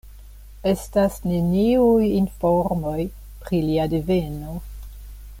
Estas neniuj informoj pri lia deveno.